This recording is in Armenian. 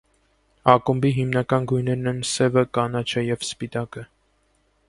Ակումբի հիմնական գույներն են սևը, կանաչը և սպիտակը։